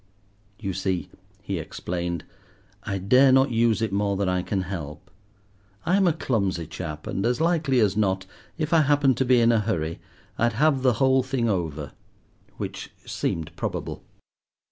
"You see," he explained, "I dare not use it more than I can help. I am a clumsy chap, and as likely as not, if I happened to be in a hurry, I'd have the whole thing over:" which seemed probable.